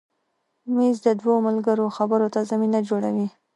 مېز د دوو ملګرو خبرو ته زمینه جوړوي.